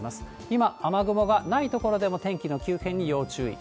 今、雨雲がない所でも天気の急変に要注意。